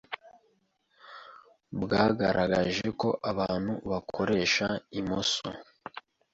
bwagaragaje ko abantu bakoresha imoso